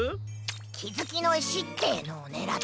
きづきのいしってーのをねらってる。